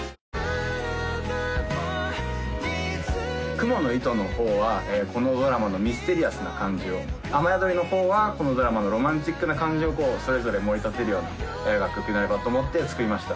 「蜘蛛ノ糸」の方はこのドラマのミステリアスな感じを「雨宿り」の方はこのドラマのロマンチックな感じをこうそれぞれもり立てるような楽曲になればと思って作りました